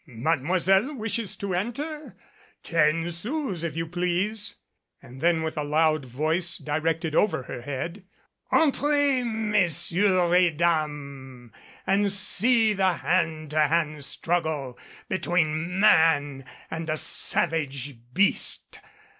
"Mademoiselle wishes to enter? Ten sous, if you please." And then with a loud voice directed over her head, "Entrez, Messieurs et Dames, and see the hand to hand struggle between a man and a savage beast